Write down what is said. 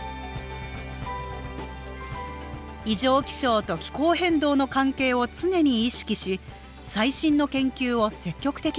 異常気象と気候変動の関係を常に意識し最新の研究を積極的に活用する。